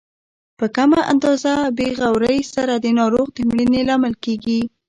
په کمه اندازه بې غورۍ سره د ناروغ د مړینې لامل کیږي.